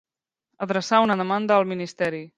Adreçar una demanda al ministeri.